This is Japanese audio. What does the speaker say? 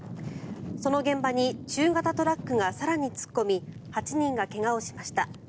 その現場に中型トラックが更に突っ込み８人が怪我をしました。